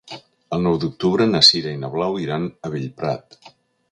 El nou d'octubre na Sira i na Blau iran a Bellprat.